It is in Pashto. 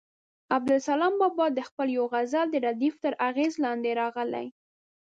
عبدالسلام بابا د خپل یوه غزل د ردیف تر اغېز لاندې راغلی.